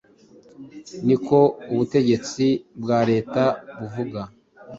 Niko ubutegetsi bwa leta buvuga.”